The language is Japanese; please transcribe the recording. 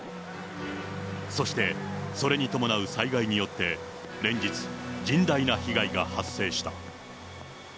そして、それに伴う災害によって、連日甚大な被害が発生した。